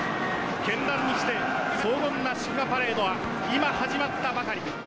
絢爛にして荘厳な祝賀パレードは今始まったばかり。